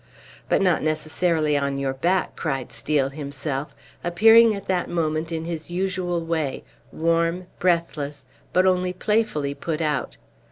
"But not necessarily on your back!" cried Steel himself, appearing at that moment in his usual way, warm, breathless, but only playfully put out.